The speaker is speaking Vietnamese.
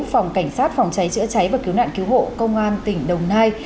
phòng cảnh sát phòng cháy chữa cháy và cứu nạn cứu hộ công an tỉnh đồng nai